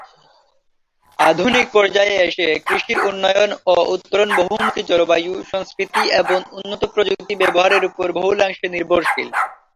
আধুনিক পর্যায়ে এসে কৃষির উন্নয়ন ও উত্তরণ বহুমূখী জলবায়ু, সংস্কৃতি এবং উন্নত প্রযুক্তি ব্যবহারের উপর বহুলাংশে নির্ভরশীল।